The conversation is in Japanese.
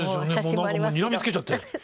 何かもうにらみつけちゃって。